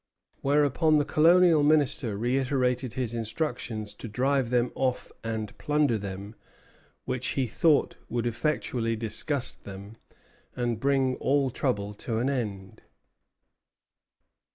Whereupon the Colonial Minister reiterated his instructions to drive them off and plunder them, which he thought would "effectually disgust them," and bring all trouble to an end.